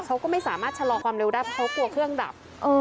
เขาก็ไม่สามารถชะลอความเร็วได้เพราะเขากลัวเครื่องดับ